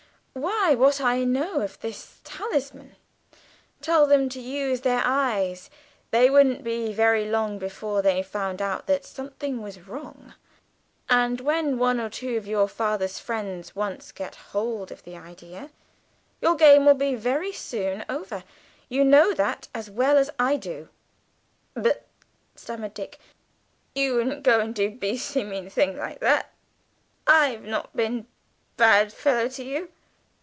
Why, what I know of this talisman; tell them to use their eyes; they wouldn't be very long before they found out that something was wrong. And when one or two of your father's friends once get hold of the idea, your game will be very soon over you know that as well as I do." "But," stammered Dick, "you wouldn't go and do beastly mean thing like that? I've not been bad fellow to you."